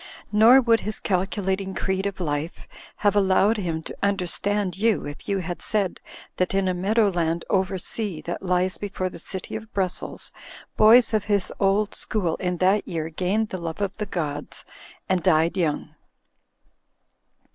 Nor would his calculating creed of life have allowed him to understand you if you had said that in a meadowland oversea that lies before the city of Brussels, boys of his old school in that year gained the love ®f the gods and died young.